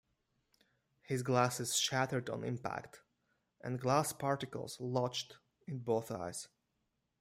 His glasses shattered on impact, and glass particles lodged in both eyes.